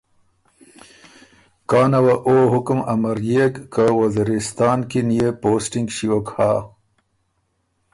کانه وه او حُکم امريېک که وزیرستان کی نيې پوسټِنګ ݭیوک هۀ